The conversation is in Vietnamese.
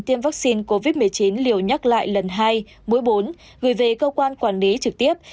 tiêm vaccine covid một mươi chín liều nhắc lại lần hai mũi bốn gửi về cơ quan quản lý trực tiếp